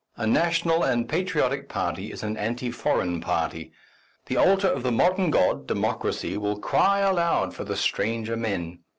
A national and patriotic party is an anti foreign party; the altar of the modern god, Democracy, will cry aloud for the stranger men.